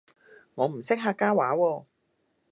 我唔識客家話喎